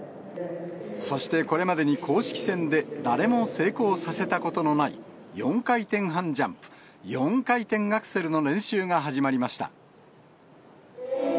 そして、これまでに公式戦で誰も成功させたことのない、４回転半ジャンプ、４回転アクセルの練習が始まりました。